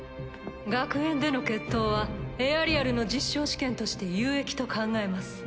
学園での決闘はエアリアルの実証試験として有益と考えます。